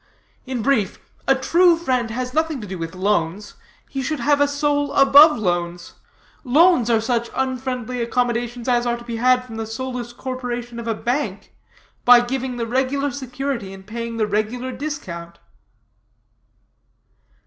In brief, a true friend has nothing to do with loans; he should have a soul above loans. Loans are such unfriendly accommodations as are to be had from the soulless corporation of a bank, by giving the regular security and paying the regular discount."